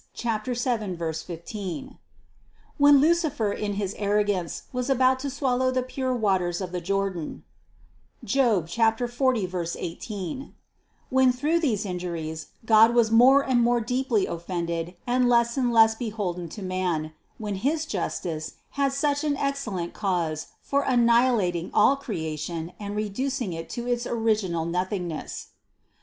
7, 15); when Lucifer in his arrogance was about to swallow the pure waters of the Jordan (Job 40, 18) : when through these injuries God was more and more deeply offended and less and less beholden to man; when his justice had such an ex cellent cause for annihilating all creation and reducing it to its original nothingness : 166.